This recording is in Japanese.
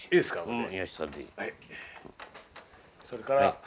それから。